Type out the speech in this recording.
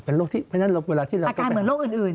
อาการเหมือนโรคอื่น